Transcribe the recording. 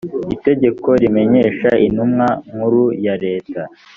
itegeko rimenyeshwa intumwa nkuru ya leta